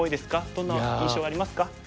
どんな印象がありますか？